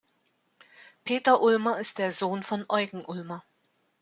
Peter Ulmer ist der Sohn von Eugen Ulmer.